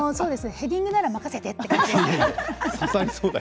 ヘディングなら任せてという感じです。